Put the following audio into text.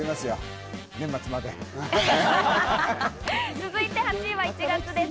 続いて８位は１月です